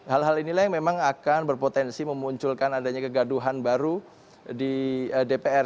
hal hal inilah yang memang akan berpotensi memunculkan adanya kegaduhan baru di dpr